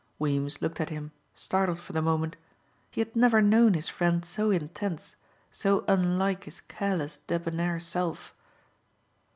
Weems looked at him, startled for the moment. He had never known his friend so intense, so unlike his careless, debonair self.